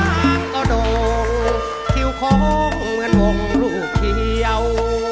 หลังก็โด่งคิวโค้งเหมือนวงรูปเขียว